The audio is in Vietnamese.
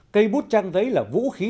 cây bút trăng đấy là vũ khí